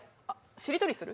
しりとりする？